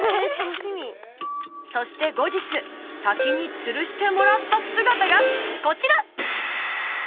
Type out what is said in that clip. そして後日滝につるしてもらった姿がこちら！